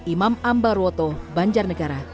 imam ambaruoto banjarnegara